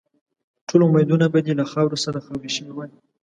ټول امیدونه به دې له خاورو سره خاوري شوي وای.